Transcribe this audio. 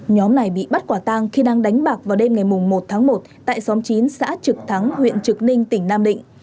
nhóm này bị bắt quả tang khi đang đánh bạc vào đêm ngày một tháng một tại xóm chín xã trực thắng huyện trực ninh tỉnh nam định